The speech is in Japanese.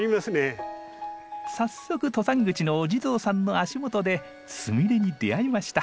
早速登山口のお地蔵さんの足元でスミレに出会いました。